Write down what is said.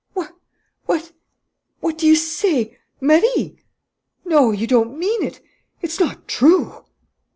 "What?... What?... What do you say? Marie!... No, you don't mean it! It's not true!"